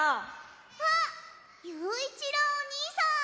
あっゆういちろうおにいさん！